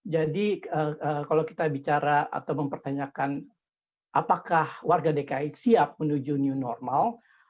jadi kalau kita bicara atau mempertanyakan apakah warga dki siap menuju new normal